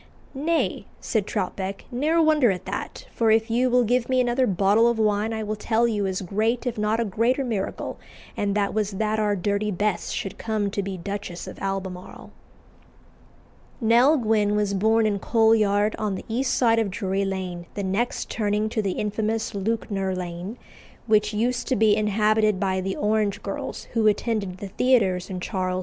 "Nay," said Troutbeck, "ne'er wonder at that, for if you will give me another bottle of wine I will tell you as great if not a greater miracle, and that was that our Dirty Bess should come to be Duchess of Albemarle." Nell Gwynn was born in Coal Yard, on the east side of Drury Lane, the next turning to the infamous Lewknor Lane, which used to be inhabited by the orange girls who attended the theatres in Charles II.